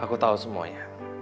aku tahu semuanya